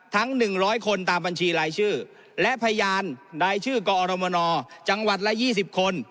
๑๐๐คนตามบัญชีรายชื่อและพยานรายชื่อกอรมนจังหวัดละ๒๐คน